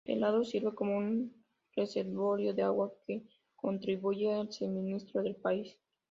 El lago sirve como un reservorio de agua que contribuye al suministro del país.